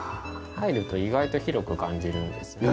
入ると意外と広く感じるんですよね。